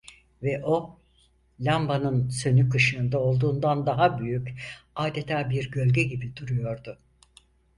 Ve o, lambanın sönük ışığında, olduğundan daha büyük, adeta bir gölge gibi duruyordu.